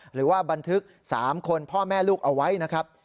หรือว่าบันทึก๓คนพ่อแม่ลูกเอาไว้นะครับ